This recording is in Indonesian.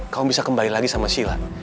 kamu bisa kembali lagi sama silat